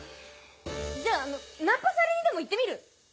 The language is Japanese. じゃああのナンパされにでも行ってみる？